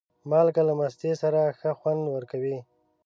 مالګه له مستې سره ښه خوند ورکوي.